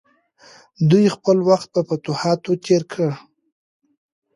دوی خپل وخت په فتوحاتو تیر کړ.